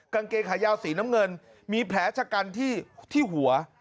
กางเกงขายาวสีน้ำเงินมีแผลชะกันที่หัว